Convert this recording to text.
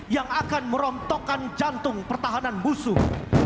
yang akan merontokkan jantung pertahanan musuh